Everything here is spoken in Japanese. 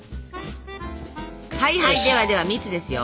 はいはいではでは蜜ですよ。